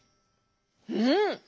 うん！